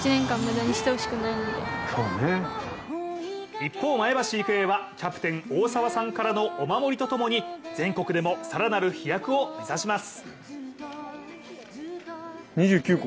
一方、前橋育英はキャプテン・大澤さんのお守りとともに全国でも更なる飛躍を目指します。